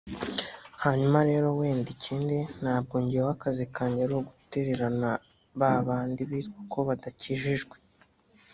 Hanyuma rero wenda ikindi ntabwo njyewe akazi kanjye ari ugutererana ba bandi bitwa ko badakijijwe